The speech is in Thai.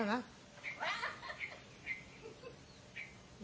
มันมองแล้วนะ